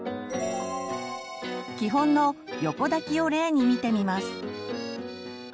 基本の横抱きを例に見てみます。